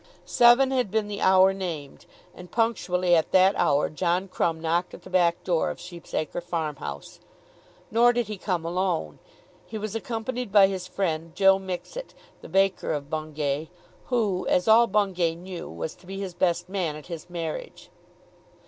Seven had been the hour named, and punctually at that hour John Crumb knocked at the back door of Sheep's Acre farm house. Nor did he come alone. He was accompanied by his friend Joe Mixet, the baker of Bungay, who, as all Bungay knew, was to be his best man at his marriage.